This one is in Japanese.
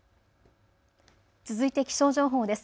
続いて気象情報です。